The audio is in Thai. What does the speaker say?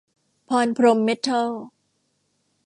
พรพรหมเม็ททอล